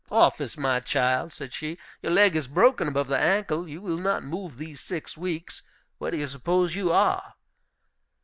"Office, my child!" said she. "Your leg is broken above the ankle; you will not move these six weeks. Where do you suppose you are?"